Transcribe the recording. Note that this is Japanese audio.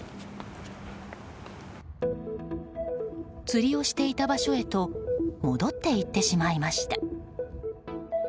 釣りをしていた場所へと戻って行ってしまいました。